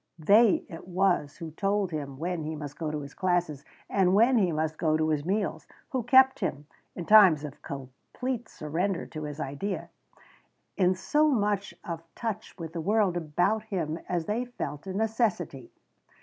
They it was who told him when he must go to his classes and when he must go to his meals, who kept him, in times of complete surrender to his idea, in so much of touch with the world about him as they felt a necessity.